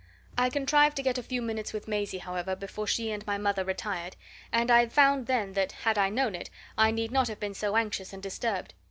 I contrived to get a few minutes with Maisie, however, before she and my mother retired, and I found then that, had I known it, I need not have been so anxious and disturbed.